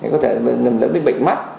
có thể nhầm lẫn đến bệnh mắt